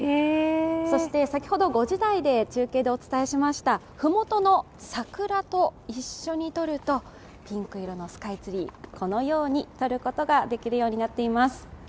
そして先ほど５時台で中継でお伝えしました麓の桜と一緒に撮るとピンク色のスカイツリー、このように撮ることができるようになっています。